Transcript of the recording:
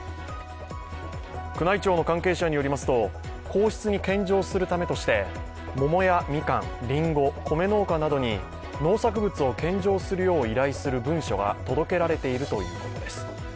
宮内庁の関係者によりますと、皇室に献上するためとしてももや、みかん、りんご米農家などに、農作物を献上するよう依頼する文書が届けられているということです。